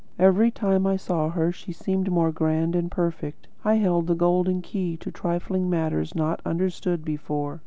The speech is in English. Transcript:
Every time I saw her she seemed more grand and perfect. I held the golden key to trifling matters not understood before.